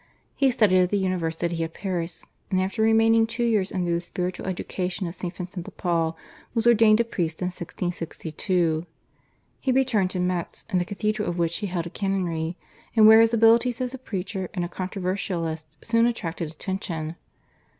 He studied at the University of Paris, and after remaining two years under the spiritual education of St. Vincent de Paul was ordained a priest in 1662. He returned to Metz, in the cathedral of which he held a canonry, and where his abilities as a preacher and a controversialist soon attracted attention.